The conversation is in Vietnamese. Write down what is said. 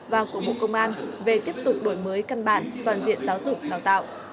và của bộ công an về tiếp tục đổi mới căn bản toàn diện giáo dục đào tạo